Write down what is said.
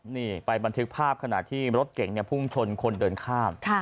นี่ไปบันทึกภาพขณะที่รถเก่งพุ่งชนคนเดินข้าม